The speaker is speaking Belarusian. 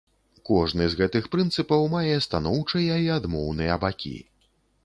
Кожны з гэтых прынцыпаў мае станоўчыя і адмоўныя бакі.